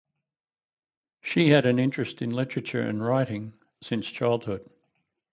She had an interest in literature and writing since childhood.